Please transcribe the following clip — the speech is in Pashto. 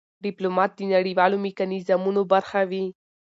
ډيپلومات د نړېوالو میکانیزمونو برخه وي.